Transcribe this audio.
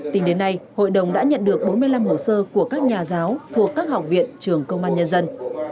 tính đến nay hội đồng đã nhận được bốn mươi năm hồ sơ của các nhà giáo thuộc các học viện trường công an nhân dân